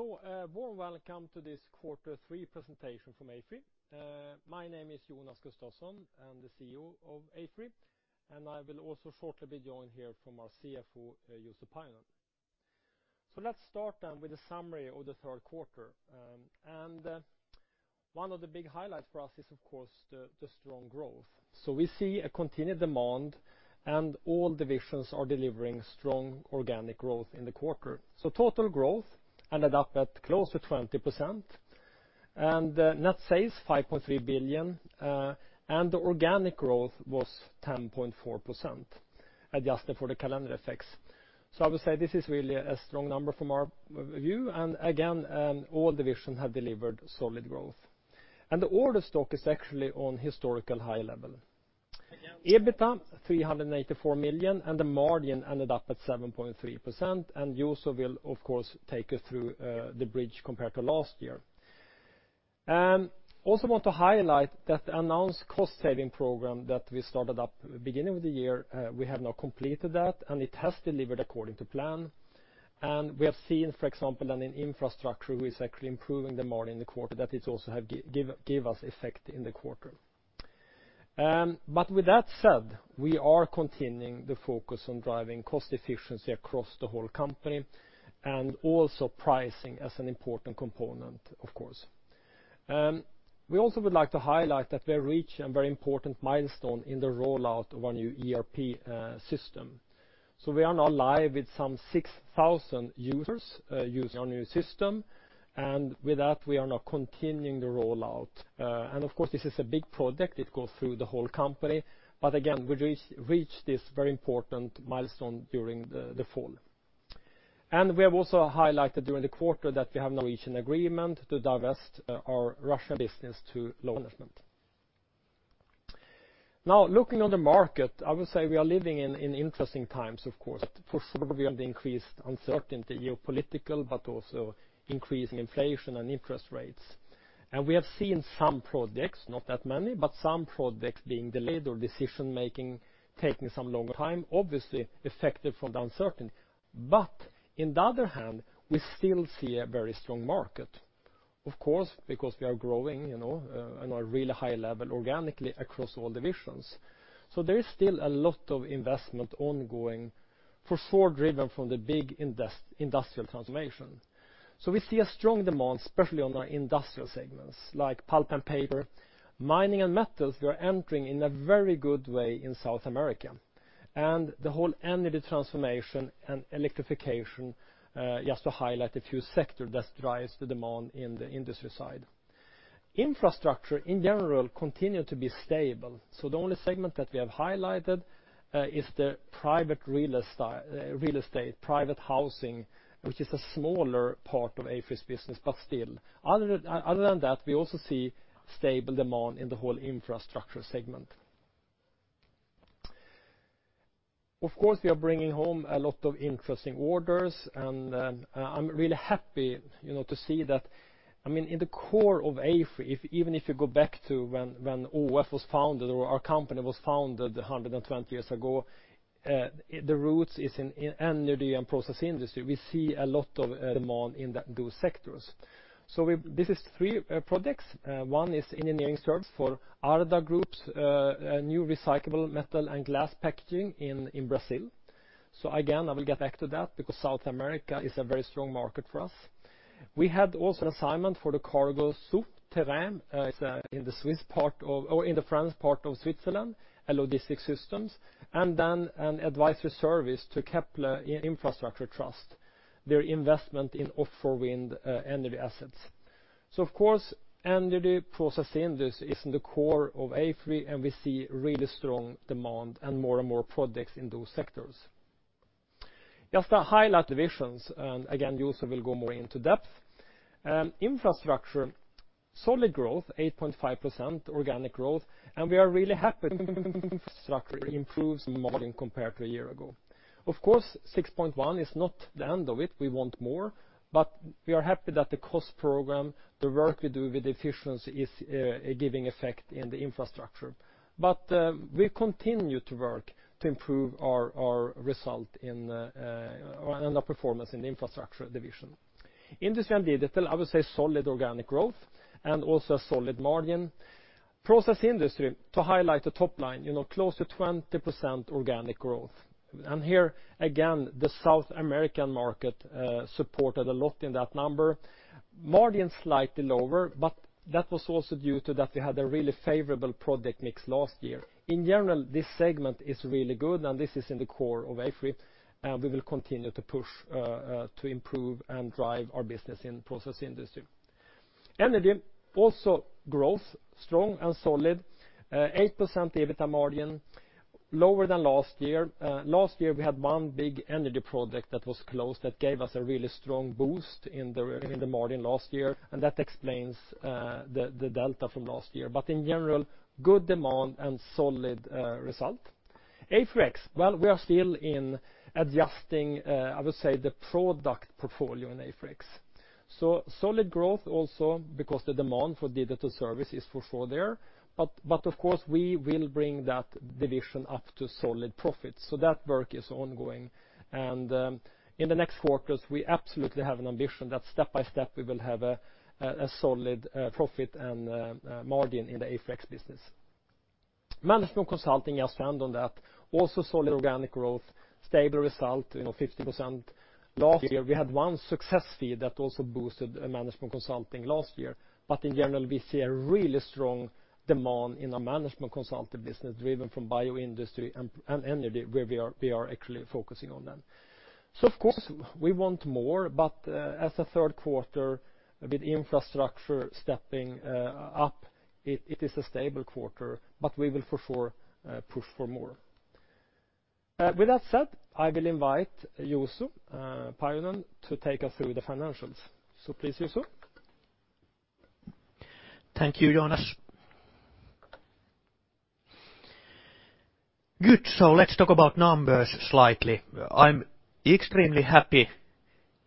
Warm welcome to this quarter three presentation from AFRY. My name is Jonas Gustavsson. I'm the CEO of AFRY, and I will also shortly be joined here from our CFO, Juuso Pynnönen. Let's start then with a summary of the third quarter. One of the big highlights for us is, of course, the strong growth. We see a continued demand, and all divisions are delivering strong organic growth in the quarter. Total growth ended up at close to 20%, and net sales 5.3 billion, and the organic growth was 10.4% adjusted for the calendar effects. I would say this is really a strong number from our view, and again, all divisions have delivered solid growth. The order stock is actually on historical high level. EBITDA 384 million, and the margin ended up at 7.3%. Juuso will, of course, take us through the bridge compared to last year. Also want to highlight that the announced cost-saving program that we started up beginning of the year, we have now completed that, and it has delivered according to plan. We have seen, for example, that in Infrastructure, we're exactly improving the margin in the quarter that it also have give us effect in the quarter. But with that said, we are continuing the focus on driving cost efficiency across the whole company and also pricing as an important component, of course. We also would like to highlight that we have reached a very important milestone in the rollout of our new ERP system. We are now live with some 6,000 users using our new system, and with that, we are now continuing the rollout. Of course, this is a big project. It goes through the whole company. Again, we reach this very important milestone during the fall. We have also highlighted during the quarter that we have now reached an agreement to divest our Russia business to local management. Now, looking on the market, I would say we are living in interesting times, of course. For sure, we have the increased geopolitical uncertainty, but also increasing inflation and interest rates. We have seen some projects, not that many, but some projects being delayed or decision-making taking some longer time, obviously affected from the uncertainty. On the other hand, we still see a very strong market. Of course, because we are growing on a really high level organically across all divisions. There is still a lot of investment ongoing for sure driven from the big industrial transformation. We see a strong demand, especially on our industrial segments like Pulp & Paper, Mining & Metals. We are entering in a very good way in South America. The whole energy transformation and electrification, just to highlight a few sectors that drives the demand in the industry side. Infrastructure, in general, continue to be stable, so the only segment that we have highlighted is the private real estate, private housing, which is a smaller part of AFRY's business, but still. Other than that, we also see stable demand in the whole infrastructure segment. Of course, we are bringing home a lot of interesting orders and I'm really happy to see that, I mean, in the core of AFRY, even if you go back to when ÅF was founded or our company was founded 120 years ago, the roots is in energy and process industry. We see a lot of demand in those sectors. This is 3 projects. One is engineering service for Ardagh Group's new recyclable metal and glass packaging in Brazil. Again, I will get back to that because South America is a very strong market for us. We had also an assignment for the Cargo Sous Terrain. It's in the Swiss part or in the French part of Switzerland, a logistics systems, and then an advisory service to Keppel Infrastructure Trust, their investment in offshore wind energy assets. Of course, energy processing industry is in the core of AFRY, and we see really strong demand and more and more projects in those sectors. Just to highlight divisions, and again, Juuso will go more into depth. Infrastructure, solid growth, 8.5% organic growth, and we are really happy infrastructure improves margin compared to a year ago. Of course, 6.1% is not the end of it. We want more, but we are happy that the cost program, the work we do with efficiency is giving effect in the infrastructure. We continue to work to improve our result in and the performance in the Infrastructure division. Industrial & Digital, I would say solid organic growth and also a solid margin. Process Industries, to highlight the top line close to 20% organic growth. Here again, the South American market supported a lot in that number. Margin slightly lower, but that was also due to that we had a really favorable project mix last year. In general, this segment is really good, and this is in the core of AFRY, and we will continue to push to improve and drive our business in Process Industries. Energy also growth strong and solid. 8% EBITDA margin, lower than last year. Last year we had one big energy project that was closed that gave us a really strong boost in the margin last year, and that explains the delta from last year. In general, good demand and solid result. AFRY X, we are still in adjusting, I would say the product portfolio in AFRY X. Solid growth also because the demand for digital service is for sure there. Of course, we will bring that division up to solid profits, so that work is ongoing. In the next quarters, we absolutely have an ambition that step by step we will have a solid profit and margin in the AFRY X business. Management Consulting, I'll stand on that. Also solid organic growth, stable result 50%. Last year we had one success fee that also boosted Management Consulting last year. In general, we see a really strong demand in our Management Consulting business driven from bio industry and energy where we are actually focusing on that. Of course we want more, but as a third quarter with Infrastructure stepping up, it is a stable quarter, but we will for sure push for more. With that said, I will invite Juuso Pynnöonen to take us through the financials. Please, Juuso. Thank you, Jonas. Good. Let's talk about numbers slightly. I'm extremely happy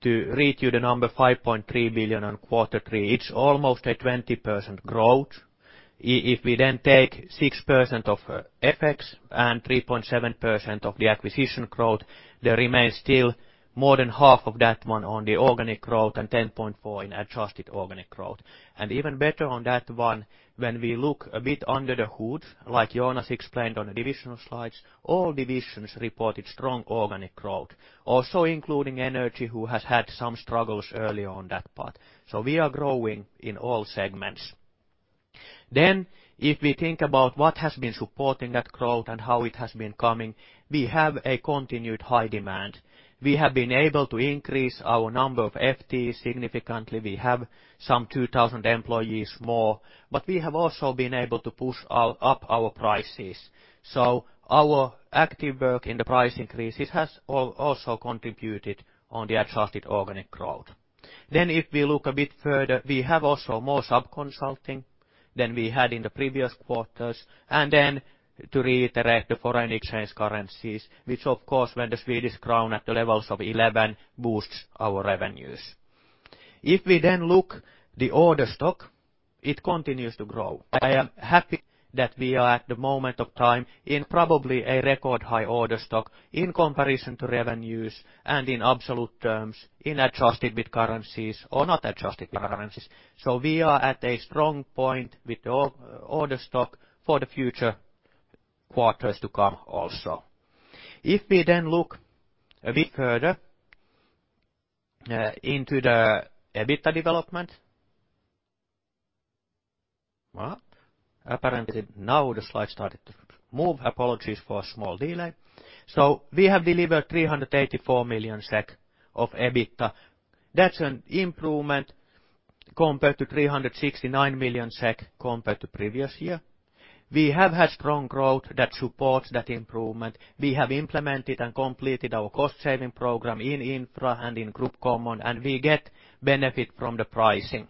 to read you the number 5.3 billion on Q3. It's almost a 20% growth. If we then take 6% of FX and 3.7% of the acquisition growth, there remains still more than half of that one on the organic growth and 10.4% in adjusted organic growth. Even better on that one, when we look a bit under the hood, like Jonas explained on the divisional slides, all divisions reported strong organic growth, also including energy, who has had some struggles early on that path. We are growing in all segments. If we think about what has been supporting that growth and how it has been coming, we have a continued high demand. We have been able to increase our number of FTE significantly. We have some 2,000 employees more, but we have also been able to push up our prices. Our active work in the price increases has also contributed to the adjusted organic growth. If we look a bit further, we have also more sub-consulting than we had in the previous quarters. To reiterate the foreign exchange currencies, which, of course, when the Swedish krona is at the levels of 11 boosts our revenues. If we then look at the order stock, it continues to grow. I am happy that we are at this point in time in probably a record high order stock in comparison to revenues and in absolute terms in adjusted base currencies or not adjusted base currencies. We are at a strong point with the order stock for the future quarters to come also. If we then look a bit further into the EBITDA development. Well, apparently now the slide started to move. Apologies for a small delay. We have delivered 384 million SEK of EBITDA. That's an improvement compared to 369 million SEK compared to previous year. We have had strong growth that supports that improvement. We have implemented and completed our cost saving program in Infra and in Group Common, and we get benefit from the pricing.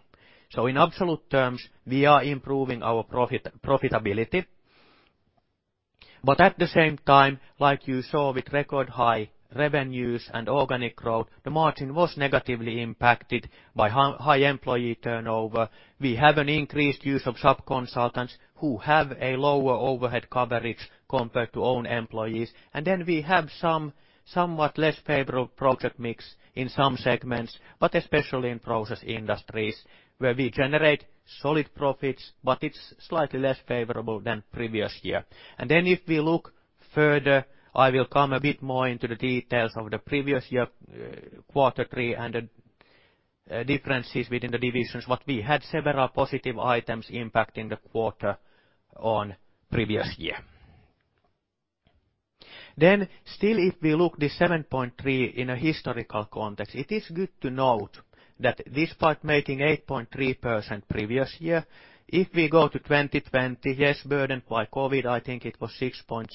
In absolute terms, we are improving our profitability. At the same time, like you saw with record high revenues and organic growth, the margin was negatively impacted by high employee turnover. We have an increased use of sub-consultants who have a lower overhead coverage compared to own employees. Then we have some somewhat less favorable project mix in some segments, but especially in Process Industries, where we generate solid profits, but it's slightly less favorable than previous year. Then if we look further, I will come a bit more into the details of the previous year, quarter three and differences within the divisions, but we had several positive items impacting the quarter on previous year. Still if we look the 7.3 in a historical context, it is good to note that despite making 8.3% previous year, if we go to 2020, yes, burdened by COVID, I think it was 6.7.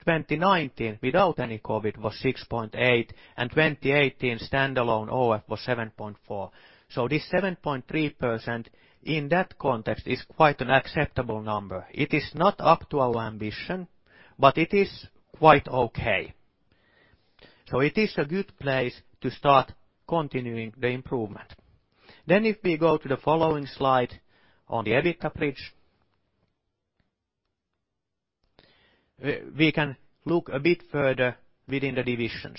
2019 without any COVID was 6.8, and 2018 standalone ÅF was 7.4. This 7.3% in that context is quite an acceptable number. It is not up to our ambition, but it is quite okay. It is a good place to start continuing the improvement. If we go to the following slide on the EBITDA bridge, we can look a bit further within the divisions.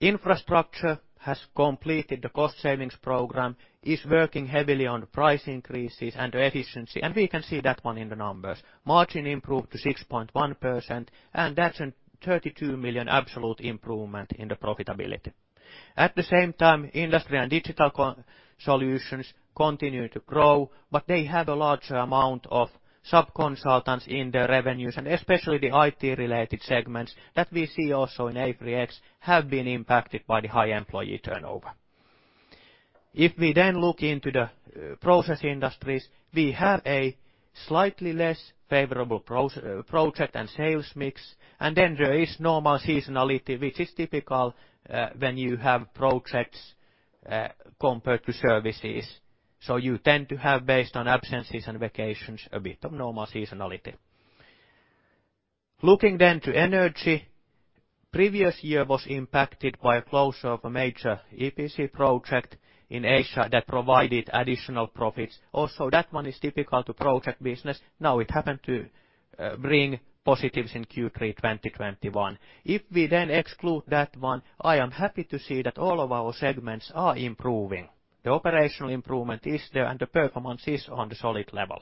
Infrastructure has completed the cost savings program, is working heavily on price increases and efficiency, and we can see that one in the numbers. Margin improved to 6.1%, and that's a 32 million absolute improvement in the profitability. At the same time, Industrial & Digital Solutions continue to grow, but they have a large amount of sub-consultants in their revenues, and especially the IT related segments that we see also in AFRY have been impacted by the high employee turnover. If we look into the Process Industries, we have a slightly less favorable project and sales mix. There is normal seasonality, which is typical, when you have projects, compared to services. You tend to have based on absences and vacations a bit of normal seasonality. Looking then to energy, previous year was impacted by a closure of a major EPC project in Asia that provided additional profits. Also, that one is typical to project business. Now it happened to bring positives in Q3 2021. If we then exclude that one, I am happy to see that all of our segments are improving. The operational improvement is there, and the performance is on the solid level.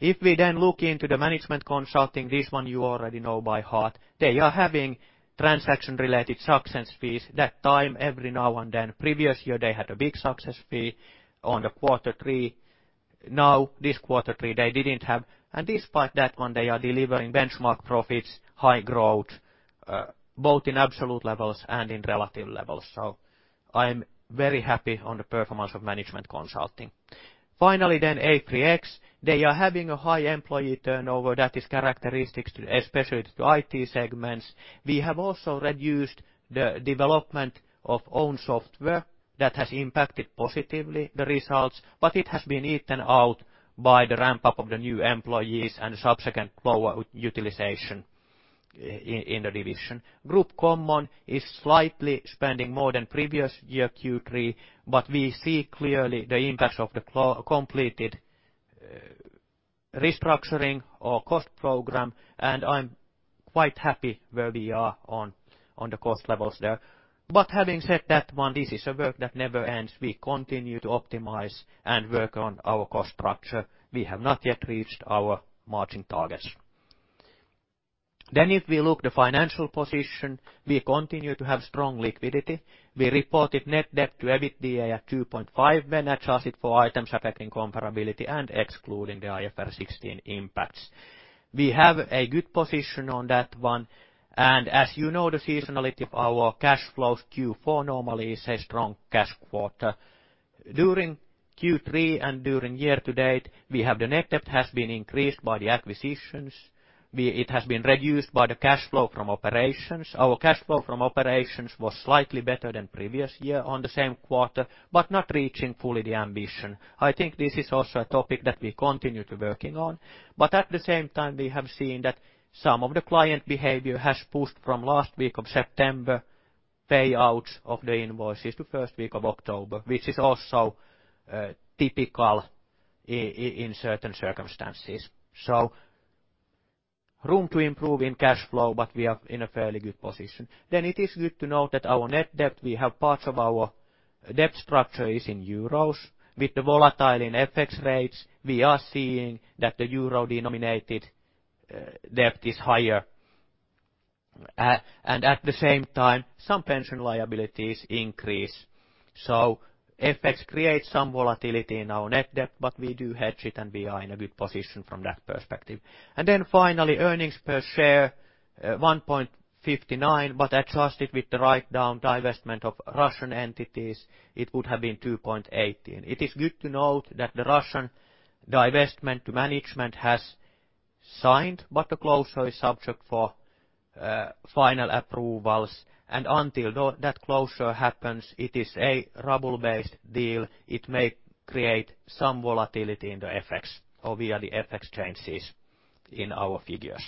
If we then look into the Management Consulting, this one you already know by heart. They are having transaction-related success fees that time every now and then. Previous year, they had a big success fee on the quarter three. Now, this quarter three, they didn't have. Despite that one, they are delivering benchmark profits, high growth, both in absolute levels and in relative levels. I'm very happy with the performance of Management Consulting. Finally, AFRY X, they are having a high employee turnover that is characteristic of, especially of, IT segments. We have also reduced the development of own software that has impacted positively the results, but it has been eaten up by the ramp-up of the new employees and subsequent lower utilization in the division. Group common is slightly spending more than previous year Q3, but we see clearly the impact of the completed restructuring or cost program, and I'm quite happy where we are on the cost levels there. Having said that one, this is a work that never ends. We continue to optimize and work on our cost structure. We have not yet reached our margin targets. If we look at the financial position, we continue to have strong liquidity. We reported net debt to EBITDA at 2.5 when adjusted for items affecting comparability and excluding the IFRS 16 impacts. We have a good position on that one, and as you know the seasonality of our cash flows, Q4 normally is a strong cash quarter. During Q3 and during year to date, the net debt has been increased by the acquisitions. It has been reduced by the cash flow from operations. Our cash flow from operations was slightly better than previous year in the same quarter, but not reaching fully the ambition. I think this is also a topic that we continue to working on. At the same time, we have seen that some of the client behavior has pushed from last week of September payouts of the invoices to first week of October, which is also typical in certain circumstances. Room to improve in cash flow, but we are in a fairly good position. It is good to note that our net debt, we have parts of our debt structure is in euros. With the volatility in FX rates, we are seeing that the euro-denominated debt is higher. And at the same time, some pension liabilities increase. FX creates some volatility in our net debt, but we do hedge it, and we are in a good position from that perspective. Then finally, earnings per share 1.59, but adjusted with the write-down divestment of Russian entities, it would have been 2.18. It is good to note that the Russian divestment management has signed, but the closure is subject for final approvals. Until that closure happens, it is a ruble-based deal. It may create some volatility in the FX or via the FX changes in our figures.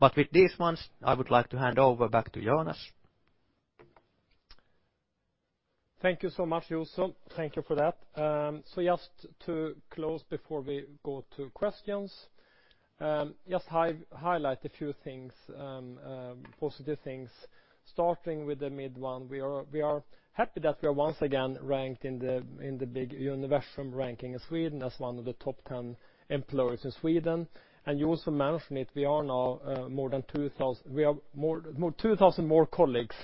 With these ones, I would like to hand over back to Jonas. Thank you so much, Juuso. Thank you for that. Just to close before we go to questions, just highlight a few things, positive things, starting with the number one. We are happy that we are once again ranked in the big Universum ranking in Sweden as one of the top 10 employers in Sweden. Juuso mentioned it, we have more than 2,000 more colleagues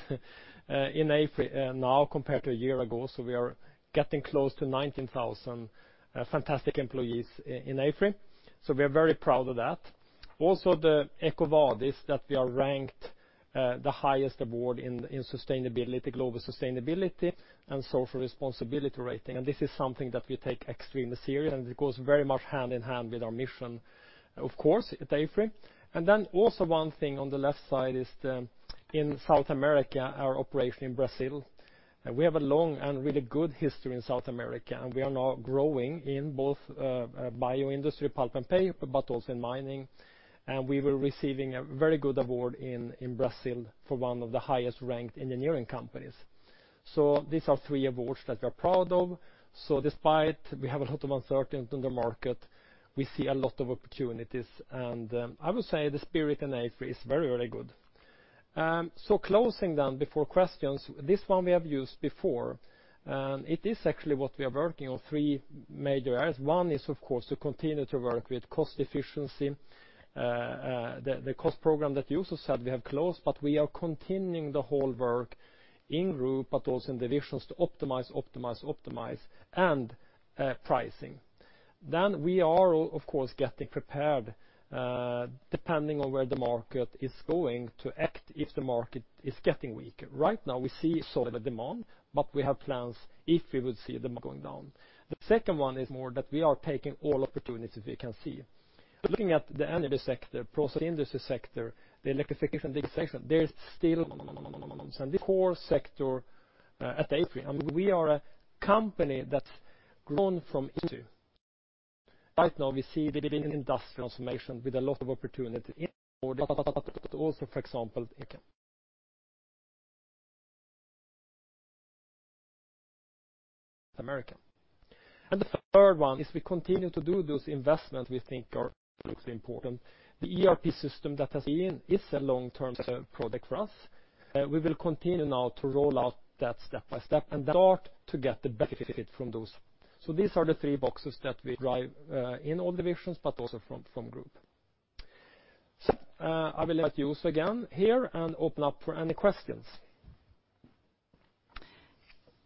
in AFRY now compared to a year ago. We are getting close to 19,000 fantastic employees in AFRY. We are very proud of that. Also, the EcoVadis that we are ranked the highest award in sustainability, global sustainability and social responsibility rating. This is something that we take extremely serious, and it goes very much hand in hand with our mission, of course, at AFRY. Then also one thing on the left side is the in South America, our operation in Brazil. We have a long and really good history in South America, and we are now growing in both bio industry, Pulp & Paper, but also in mining. We were receiving a very good award in Brazil for one of the highest-ranked engineering companies. These are three awards that we are proud of. Despite we have a lot of uncertainty in the market, we see a lot of opportunities. I would say the spirit in AFRY is very, very good. Closing then before questions, this one we have used before, and it is actually what we are working on: three major areas. One is of course to continue to work with cost efficiency. The cost program that Juuso said we have closed, but we are continuing the whole work in group, but also in divisions to optimize and pricing. We are getting prepared depending on where the market is going to act if the market is getting weaker. Right now, we see solid demand, but we have plans if we would see demand going down. The second one is more that we are taking all opportunities we can see. Looking at the energy sector, process industry sector, the electrification sector, there is still core sector at AFRY. I mean, we are a company that's grown from into. Right now we see the industrial transformation with a lot of opportunity but also, for example, in America. The third one is we continue to do those investments we think are absolutely important. The ERP system that has been is a long-term project for us. We will continue now to roll out that step by step and start to get the benefit from those. These are the three boxes that we drive in all divisions, but also from group. I will let you also again here and open up for any questions.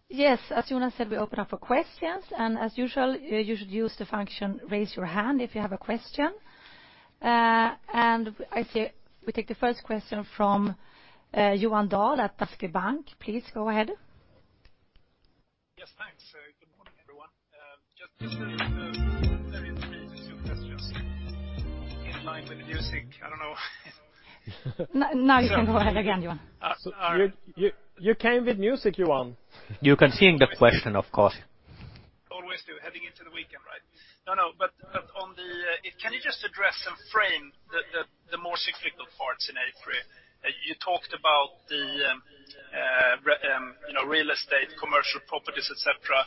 Yes. As Jonas said, we open up for questions, and as usual, you should use the function Raise your Hand if you have a question. I see we take the first question from Johan Dahl at Danske Bank. Please go ahead. Yes. Thanks. Good morning, everyone. Very interesting. That's just in line with the music. I don't know. Now, you can go ahead again, Johan. You came with music, Johan. You can see the question, of course. Always do, heading into the weekend, right? No, no. On the, can you just address and frame the more cyclical parts in AFRY? You talked about the real estate, commercial properties, et cetera.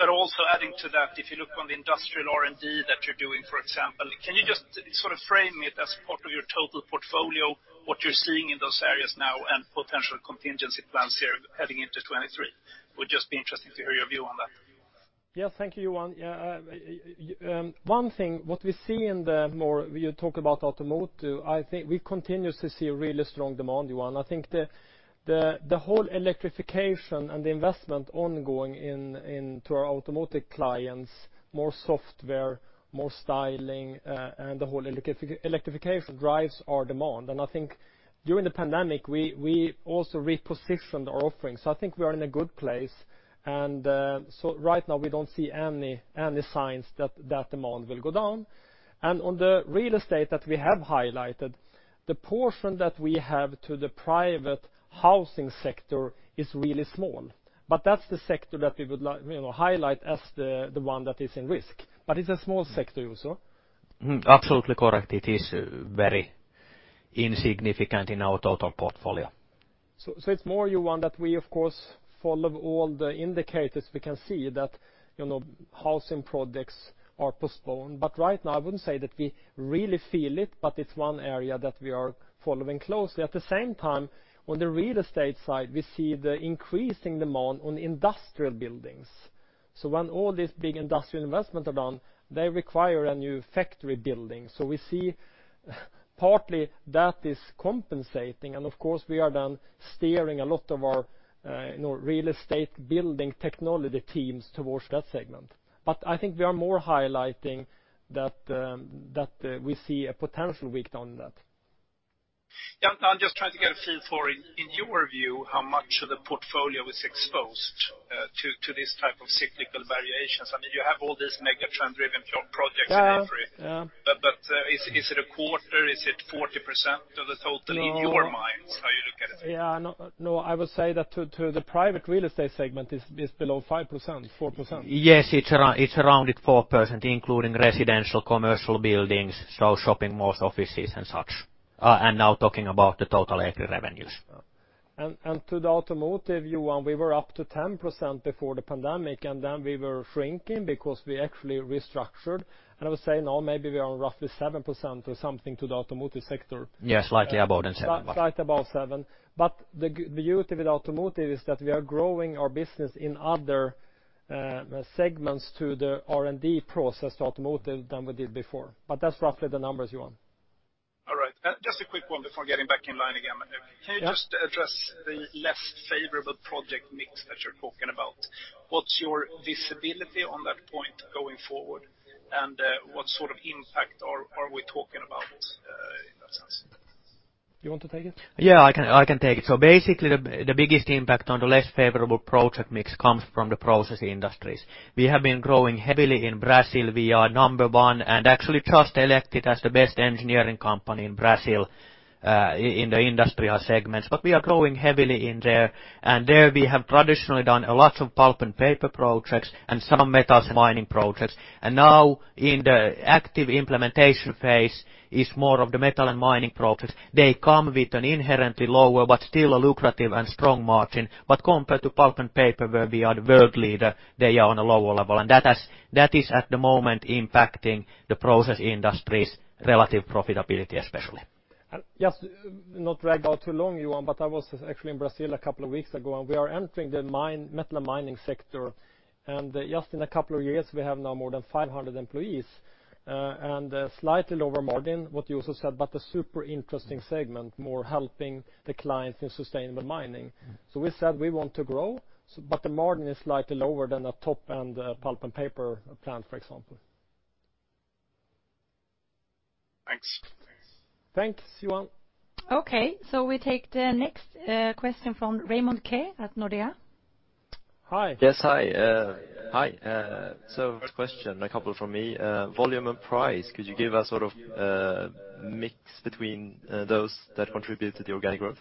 But also adding to that, if you look on the industrial R&D that you're doing, for example, can you just sort of frame it as part of your total portfolio, what you're seeing in those areas now and potential contingency plans here heading into 2023? Would just be interesting to hear your view on that. Yes. Thank you, Johan. Yeah, one thing. What we see, you talk about automotive. I think we continue to see really strong demand, Johan. I think the whole electrification and the investment ongoing into our automotive clients, more software, more styling, and the whole electrification drives our demand. I think during the pandemic, we also repositioned our offerings. I think we are in a good place. Right now we don't see any signs that demand will go down. On the real estate that we have highlighted, the portion that we have to the private housing sector is really small. That's the sector that we would like highlight as the one that is in risk. It's a small sector, Juuso. Absolutely correct. It is very insignificant in our total portfolio. It's more, Johan, that we of course follow all the indicators. We can see that housing projects are postponed. Right now I wouldn't say that we really feel it, but it's one area that we are following closely. At the same time, on the real estate side, we see the increasing demand on industrial buildings. When all these big industrial investments are done, they require a new factory building. We see partly that is compensating, and of course we are then steering a lot of our real estate building technology teams towards that segment. I think we are more highlighting that we see a potential weakness on that. Yeah, I'm just trying to get a feel for, in your view, how much of the portfolio is exposed to this type of cyclical variations. I mean, you have all these megatrend-driven projects in AFRY. Yeah. Is it a quarter? Is it 40% of the total in your minds, how you look at it? No, I would say that to the private real estate segment is below 5%, 4%. Yes, it's around 4%, including residential, commercial buildings, so shopping malls, offices, and such. Now talking about the total AFRY revenues. To the automotive, Johan, we were up to 10% before the pandemic, and then we were shrinking because we actually restructured. I would say now maybe we are roughly 7% or something to the automotive sector. Yes, slightly above 7. Slightly above 7. The beauty with automotive is that we are growing our business in other segments to the R&D process to automotive than we did before. That's roughly the numbers, Johan. All right. Just a quick one before getting back in line again. Yeah. Can you just address the less favorable project mix that you're talking about? What's your visibility on that point going forward? What sort of impact are we talking about in that sense? You want to take it? I can take it. Basically the biggest impact on the less favorable project mix comes from the Process Industries. We have been growing heavily in Brazil. We are number one and actually just elected as the best engineering company in Brazil, in the industrial segments. We are growing heavily in there. There we have traditionally done a lot of Pulp & Paper projects and some metals and mining projects. Now in the active implementation phase is more of the metal and mining projects. They come with an inherently lower but still a lucrative and strong margin. Compared to Pulp & Paper, where we are the world leader, they are on a lower level. That is at the moment impacting the Process Industries' relative profitability, especially. Just not drag on too long, Johan, but I was actually in Brazil a couple of weeks ago, and we are entering the Mining & Metals sector. Just in a couple of years, we have now more than 500 employees, and a slightly lower margin, what Juuso said, but a super interesting segment, more helping the clients in sustainable mining. We said we want to grow, but the margin is slightly lower than a top-end Pulp & Paper plant, for example. Thanks. Thanks, Johan. Okay, we take the next question from Raimo Kej at Nordea. Yes, hi. Question, a couple from me. Volume and price, could you give a sort of mix between those that contribute to the organic growth?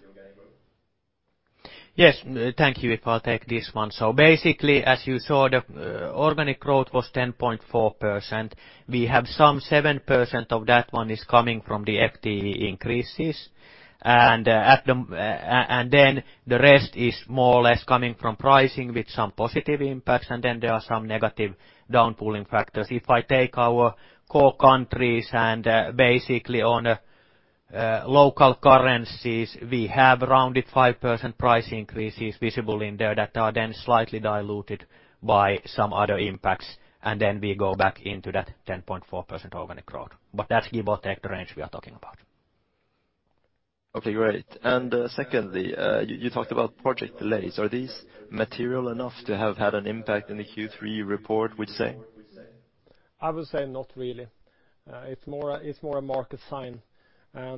Yes. Thank you. If I take this one. Basically, as you saw, the organic growth was 10.4%. We have some 7% of that one is coming from the FTE increases. Then the rest is more or less coming from pricing with some positive impacts, and then there are some negative down pulling factors. If I take our core countries and basically on local currencies, we have rounded 5% price increases visible in there that are then slightly diluted by some other impacts. Then we go back into that 10.4% organic growth. That give or take the range we are talking about. Okay, great. Secondly, you talked about project delays. Are these material enough to have had an impact in the Q3 report, would you say? I would say not really. It's more a market sign. I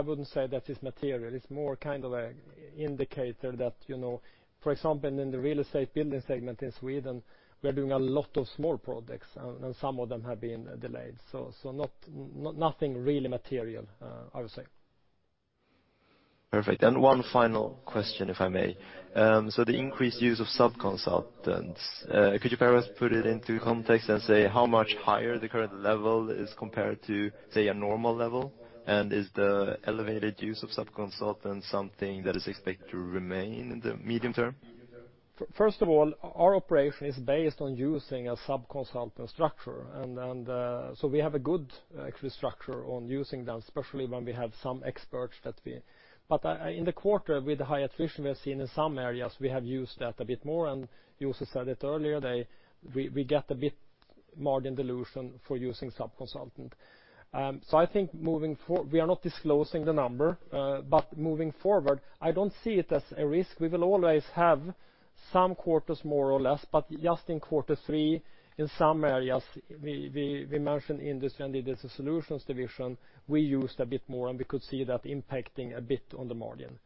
wouldn't say that it's material. It's more kind of a indicator that for example, in the real estate building segment in Sweden, we are doing a lot of small projects and some of them have been delayed. Nothing really material, I would say. Perfect. One final question, if I may. The increased use of sub-consultants, could you perhaps put it into context and say how much higher the current level is compared to, say, a normal level? Is the elevated use of sub-consultants something that is expected to remain in the medium term? First of all, our operation is based on using a sub-consultant structure. We have a good actually structure on using them, especially when we have some experts that we. In the quarter with the high attrition we have seen in some areas, we have used that a bit more. Juuso said it earlier, we get a bit margin dilution for using sub-consultant. I think we are not disclosing the number, but moving forward, I don't see it as a risk. We will always have some quarters, more or less, but just in quarter three, in some areas, we mentioned Industrial & Digital Solutions division, we used a bit more, and we could see that impacting a bit on the margin.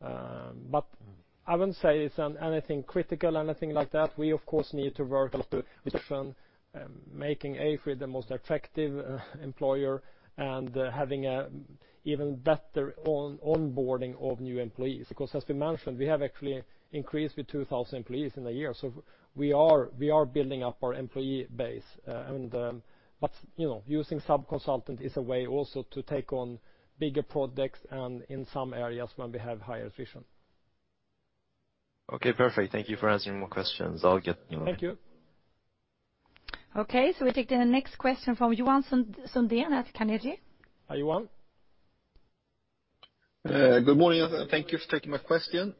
I wouldn't say it's anything critical, anything like that. We of course need to work on the decision making AFRY the most effective employer, and having an even better onboarding of new employees. Because as we mentioned, we have actually increased with 2,000 employees in a year. We are building up our employee base. You know, using sub-consultant is a way also to take on bigger projects and in some areas when we have higher attrition. Okay, perfect. Thank you for answering my questions. I'll get going. Thank you. Okay, we take the next question from Johan Sundén at Carnegie. Hi, Johan. Good morning, and thank you for taking my question.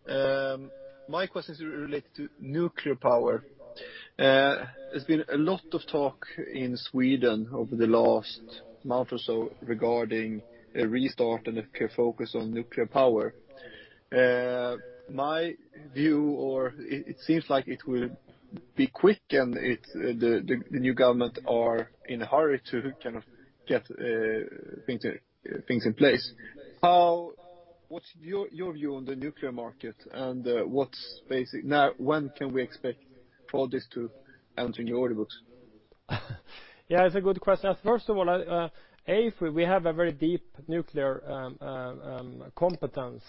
My question is related to nuclear power. There's been a lot of talk in Sweden over the last month or so regarding a restart and a focus on nuclear power. My view, or it seems like it will be quick and the new government are in a hurry to kind of get things in place. What's your view on the nuclear market and now, when can we expect all this to enter in your order books? Yeah, it's a good question. First of all, AFRY, we have a very deep nuclear competence,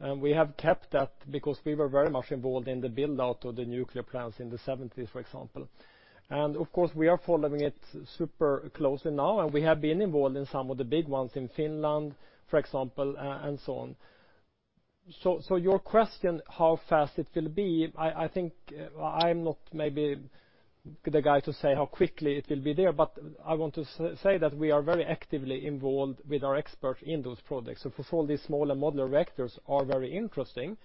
and we have kept that because we were very much involved in the build-out of the nuclear plants in the seventies, for example. Of course, we are following it super closely now, and we have been involved in some of the big ones in Finland, for example, and so on. Your question, how fast it will be, I think I'm not maybe the guy to say how quickly it will be there, but I want to say that we are very actively involved with our experts in those projects. For sure, these small modular reactors are very interesting,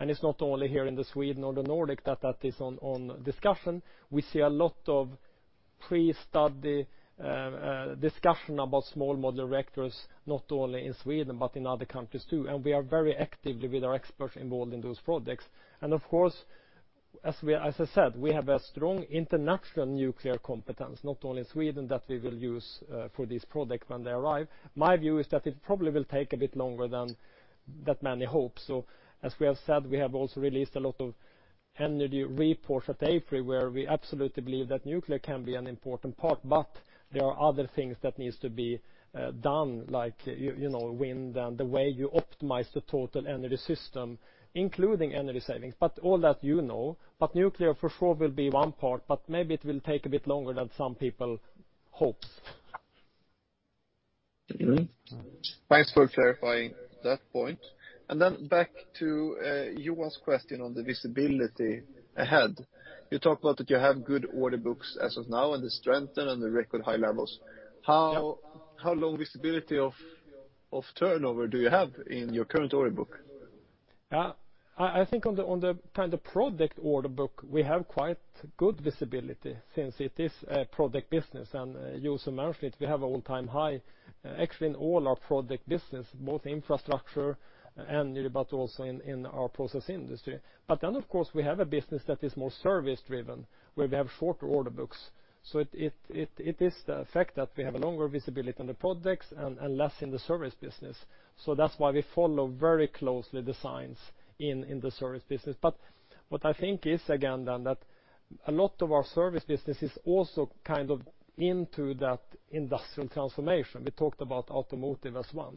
and it's not only here in Sweden or the Nordics that that is on discussion. We see a lot of pre-study discussion about small modular reactors, not only in Sweden, but in other countries, too. We are very actively with our experts involved in those projects. Of course, as we, as I said, we have a strong international nuclear competence, not only Sweden, that we will use for this project when they arrive. My view is that it probably will take a bit longer than that many hope. As we have said, we have also released a lot of energy reports at AFRY where we absolutely believe that nuclear can be an important part, but there are other things that needs to be done, like you know, wind and the way you optimize the total energy system, including energy savings. All that you know. Nuclear for sure will be one part, but maybe it will take a bit longer than some people hopes. Thanks for clarifying that point. Back to Johan's question on the visibility ahead. You talked about that you have good order books as of now and the strength and the record high levels. Yeah. How long visibility of turnover do you have in your current order book? Yeah. I think on the kind of project order book, we have quite good visibility since it is a project business, and Juuso mentioned it. We have all-time high, actually, in all our project business, both infrastructure and but also in our process industry. Of course, we have a business that is more service driven, where we have shorter order books. It is the fact that we have a longer visibility on the projects and less in the service business. That's why we follow very closely the signs in the service business. What I think is again then that a lot of our service business is also kind of into that industrial transformation. We talked about automotive as one.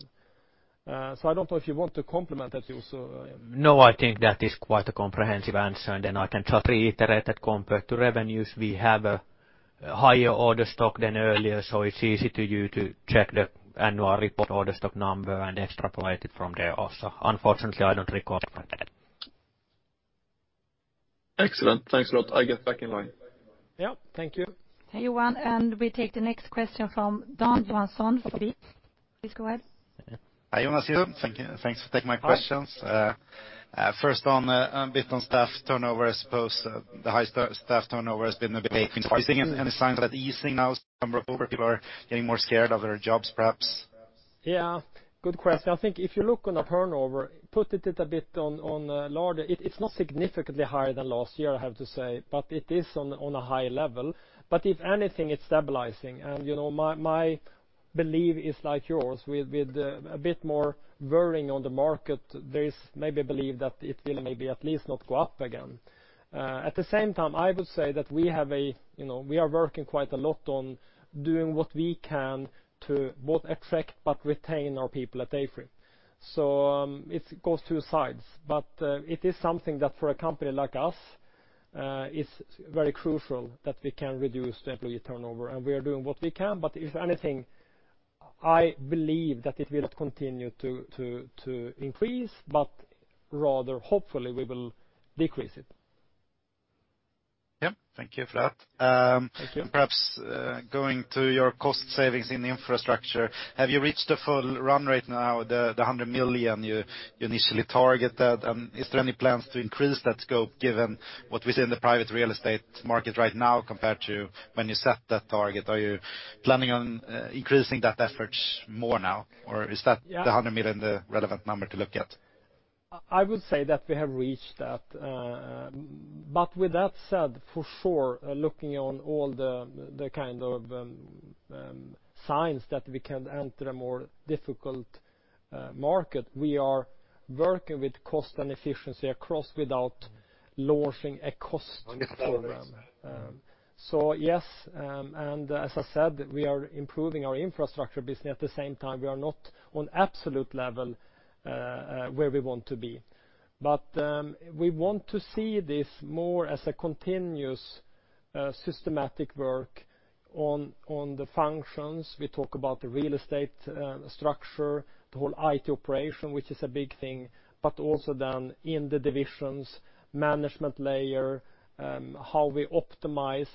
I don't know if you want to comment on that, Juuso. No, I think that is quite a comprehensive answer, and then I can try to reiterate it compared to revenues. We have a higher order stock than earlier, so it's easy for you to check the annual report order stock number and extrapolate it from there also. Unfortunately, I don't recall it by heart. Excellent. Thanks a lot. I get back in line. Yeah, thank you. Hey, Johan, we take the next question from Dan Johansson for DNB. Please go ahead. Hi, Jonas, Juuso. Thank you. Thanks for taking my questions. First on a bit on staff turnover, I suppose. The high staff turnover has been a big thing. Are you seeing any signs of that easing now? Some recovery, people are getting more scared of their jobs, perhaps? Yeah. Good question. I think if you look at the turnover, it's a bit larger. It's not significantly higher than last year, I have to say, but it is on a high level. If anything, it's stabilizing, and you know, my belief is like yours with a bit more worrying on the market. There is maybe a belief that it will maybe at least not go up again. At the same time, I would say that we have you know, we are working quite a lot on doing what we can to both attract but retain our people at AFRY. It goes two sides. It is something that for a company like us is very crucial that we can reduce the employee turnover, and we are doing what we can, but if anything, I believe that it will continue to increase, but rather hopefully we will decrease it. Yeah. Thank you for that. Thank you. Perhaps, going to your cost savings in Infrastructure, have you reached the full run rate now, the 100 million you initially targeted? Is there any plans to increase that scope given what we see in the private real estate market right now compared to when you set that target? Are you planning on increasing that effort more now? Or is that? Yeah. 100 million the relevant number to look at? I would say that we have reached that. With that said, for sure, looking at all the signs that we can enter a more difficult market, we are working with cost and efficiency across without launching a cost program. Yes, and as I said, we are improving our Infrastructure business. At the same time, we are not on absolute level where we want to be. We want to see this more as a continuous systematic work on the functions. We talk about the real estate structure, the whole IT operation, which is a big thing, but also then in the divisions, management layer, how we optimize.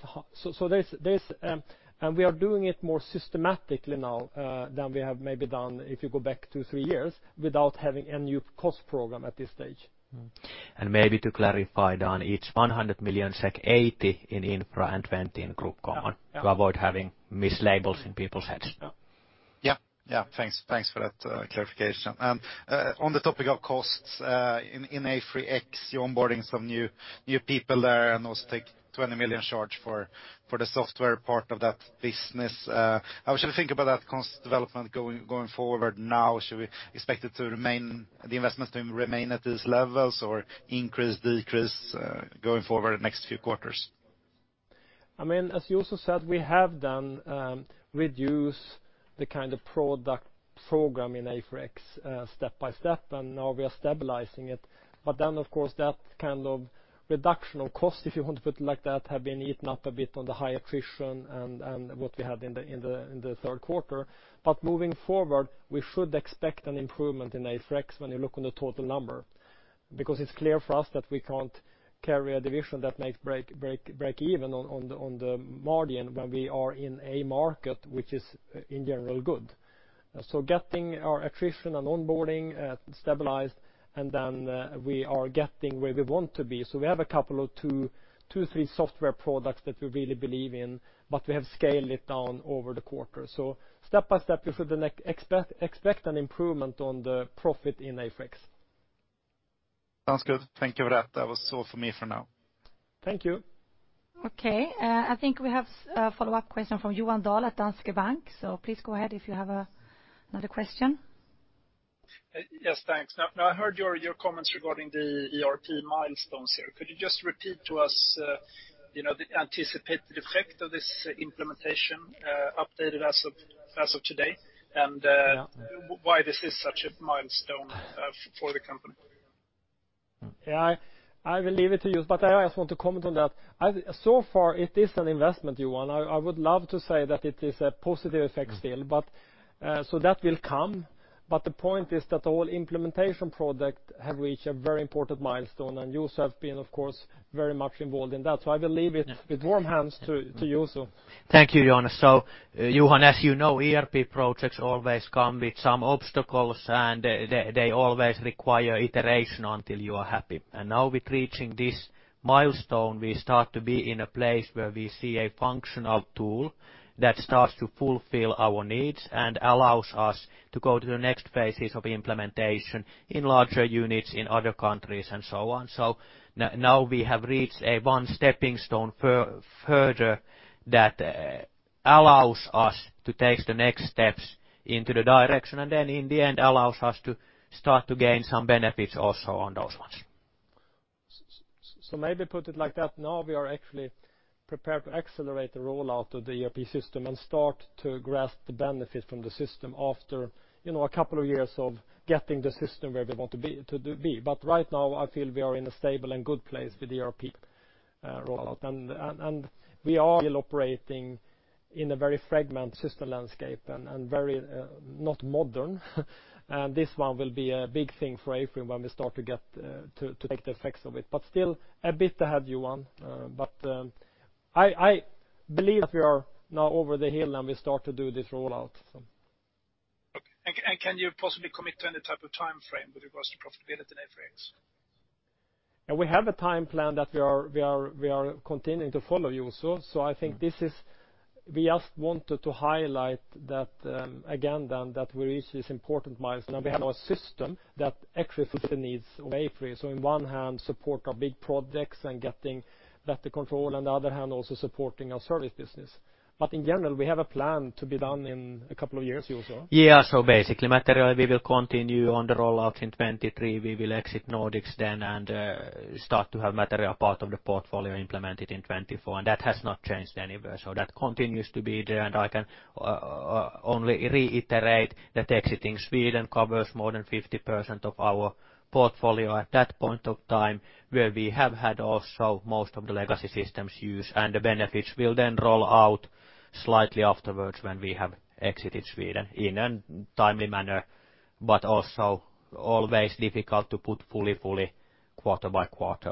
There's and we are doing it more systematically now than we have maybe done if you go back two, three years without having a new cost program at this stage. Maybe to clarify, Dan, it's 100 million SEK, 80 in infra and 20 in Group Common. Yeah. To avoid having mislabels in people's heads. Yeah. Thanks for that clarification. On the topic of costs in AFRY X, you're onboarding some new people there, and those take 20 million charge for the software part of that business. How should we think about that cost development going forward now? Should we expect the investments to remain at these levels or increase, decrease going forward the next few quarters? I mean, as you also said, we have done reduce the kind of product program in AFRY X step-by-step, and now we are stabilizing it. Of course, that kind of reduction of cost, if you want to put it like that, have been eaten up a bit on the high attrition and what we had in the third quarter. Moving forward, we should expect an improvement in AFRY X when you look on the total number. Because it's clear for us that we can't carry a division that makes break even on the margin when we are in a market which is, in general, good. Getting our attrition and onboarding stabilized, and then we are getting where we want to be. We have a couple of two or three software products that we really believe in, but we have scaled it down over the quarter. Step-by-step, you should expect an improvement on the profit in AFRY X. Sounds good. Thank you for that. That was all for me for now. Thank you. Okay. I think we have a follow-up question from Johan Dahl at Danske Bank. Please go ahead if you have another question. Yes, thanks. Now I heard your comments regarding the ERP milestones here. Could you just repeat to us the anticipated effect of this implementation, updated as of today? Yeah. Why this is such a milestone for the company? Yeah. I will leave it to you, but I also want to comment on that. So far it is an investment you want. I would love to say that it is a positive effect still, but so that will come. The point is that the whole implementation product have reached a very important milestone, and you have been, of course, very much involved in that. I will leave it. Yeah. With warm hands to you so. Thank you, Johan. Johan, as you know, ERP projects always come with some obstacles, and they always require iteration until you are happy. Now with reaching this milestone, we start to be in a place where we see a functional tool that starts to fulfill our needs and allows us to go to the next phases of implementation in larger units in other countries and so on. Now we have reached another stepping stone further that allows us to take the next steps in that direction, and then in the end, allows us to start to gain some benefits also on those ones. Maybe put it like that. Now we are actually prepared to accelerate the rollout of the ERP system and start to grasp the benefit from the system after a couple of years of getting the system where we want to be, to be. Right now, I feel we are in a stable and good place with the ERP rollout. We are still operating in a very fragmented system landscape and very not modern. This one will be a big thing for AFRY when we start to get to take the effects of it. Still a bit ahead, Johan. I believe that we are now over the hill, and we start to do this rollout. Okay. Can you possibly commit to any type of timeframe with regards to profitability in AFRY next? We have a time plan that we are continuing to follow, Juuso. We just wanted to highlight that again that we reach this important milestone. Now we have our system that actually fits the needs of AFRY. On one hand, support our big projects and getting better control. On the other hand, also supporting our service business. In general, we have a plan to be done in a couple of years, Juuso. Yeah. Basically, material, we will continue on the rollout in 2023. We will exit Nordics then and start to have material part of the portfolio implemented in 2024. That has not changed anywhere, so that continues to be there. I can only reiterate that exiting Sweden covers more than 50% of our portfolio at that point of time, where we have had also most of the legacy systems used. The benefits will then roll out slightly afterwards when we have exited Sweden in a timely manner. Also always difficult to put fully quarter by quarter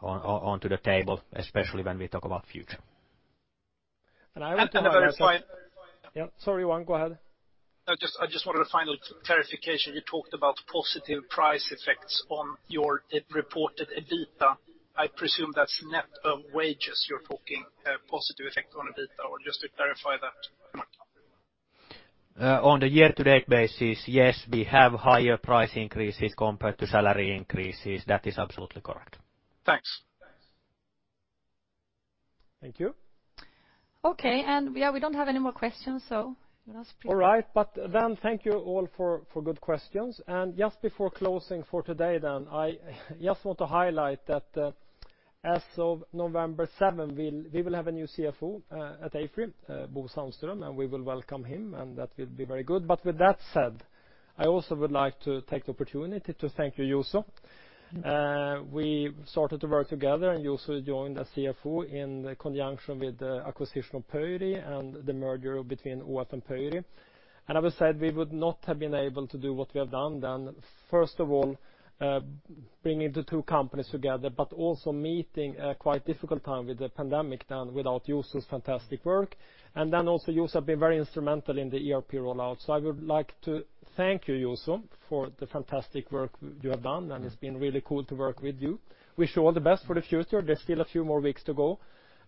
onto the table, especially when we talk about future. And I would- A better point. Yeah. Sorry, Johan. Go ahead. No, just, I just wanted a final clarification. You talked about positive price effects on your reported EBITDA. I presume that's net of wages you're talking, positive effect on EBITDA, or just to clarify that. On the year-to-date basis, yes, we have higher price increases compared to salary increases. That is absolutely correct. Thanks. Thank you. Okay, and yeah, we don't have any more questions, so Jonas, please. All right. Thank you all for good questions. Just before closing for today, I just want to highlight that as of November 7, we will have a new CFO at AFRY, Bo Sandström, and we will welcome him, and that will be very good. With that said, I also would like to take the opportunity to thank you, Juuso. We started to work together, and Juuso joined as CFO in conjunction with the acquisition of Pöyry and the merger between ÅF and Pöyry. As I said, we would not have been able to do what we have done then, first of all, bringing the two companies together, but also meeting a quite difficult time with the pandemic without Juuso's fantastic work. Also, Juuso have been very instrumental in the ERP rollout. I would like to thank you, Juuso, for the fantastic work you have done, and it's been really cool to work with you. Wish you all the best for the future. There's still a few more weeks to go.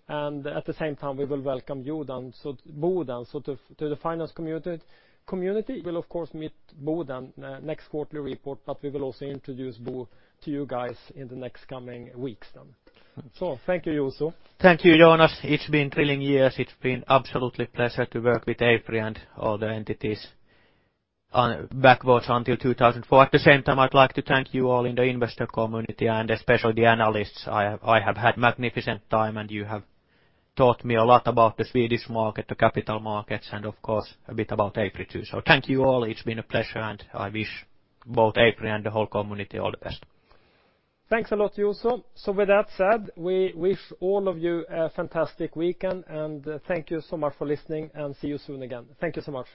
At the same time, we will welcome you then, so Bo then. To the finance community, we'll of course meet Bo then next quarterly report, but we will also introduce Bo to you guys in the next coming weeks then. Thank you, Juuso. Thank you, Jonas. It's been thrilling years. It's been absolutely a pleasure to work with AFRY and all the entities on, backwards until 2004. At the same time, I'd like to thank you all in the investor community and especially the analysts. I have had magnificent time, and you have taught me a lot about the Swedish market, the capital markets, and of course a bit about AFRY too. Thank you, all. It's been a pleasure, and I wish both AFRY and the whole community all the best. Thanks a lot, Juuso. With that said, we wish all of you a fantastic weekend, and thank you so much for listening, and see you soon again. Thank you so much.